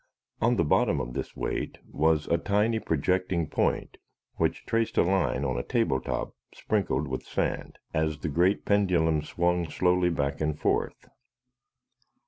On the bottom of this weight was a tiny projecting point which traced a line on a table top sprinkled with sand, as the great pendulum swung slowly back and forth.